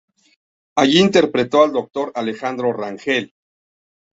Allí interpretó al doctor Alejandro Rangel.